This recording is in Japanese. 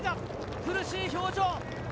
苦しい表情。